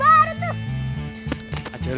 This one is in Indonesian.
pengantin baru tuh